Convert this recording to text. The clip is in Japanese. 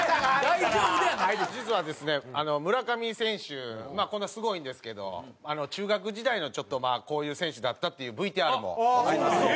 実はですね村上選手こんなすごいんですけど中学時代のちょっとまあこういう選手だったっていうＶＴＲもありますので。